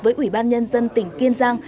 với ủy ban nhân dân tỉnh kiên giang